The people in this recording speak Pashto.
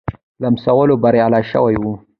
لمسولو بریالی شوی وو.